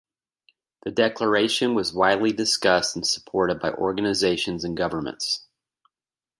The Declaration was widely discussed and supported by organisations and governments.